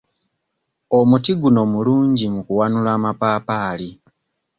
Omuti guno mulungi mu kuwanula amapaapaali.